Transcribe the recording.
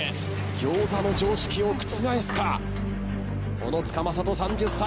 餃子の常識を覆すか⁉小野塚雅人３０歳。